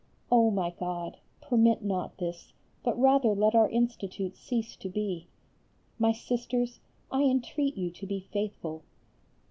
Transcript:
Oh my God! permit not this, but rather let our Institute cease to be. My Sisters, I entreat you to be faithful.